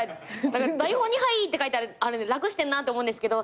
台本に「はい」って書いてあるんで楽してんなって思うんですけど。